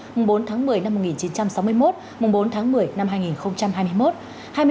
mùng bốn tháng một mươi năm một nghìn chín trăm sáu mươi một mùng bốn tháng một mươi năm hai nghìn hai mươi một